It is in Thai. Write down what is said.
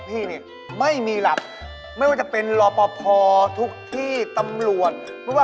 พี่มีอะไรที่ไม่ให้หนูเอาง่วงไหม